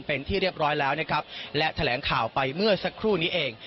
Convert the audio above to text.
เป็นที่เรียบร้อยแล้วนะครับและแถลงข่าวไปเมื่อสักครู่นี้เอง